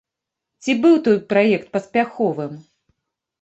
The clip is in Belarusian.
Ці быў той праект паспяховым?